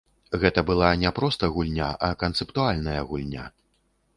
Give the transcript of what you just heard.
Гэта была не проста гульня, а канцэптуальная гульня.